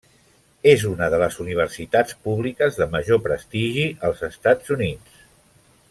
És una de les universitats públiques de major prestigi als Estats Units.